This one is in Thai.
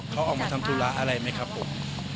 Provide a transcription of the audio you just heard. เขาออกมาทำธุระอะไรไหมครับผม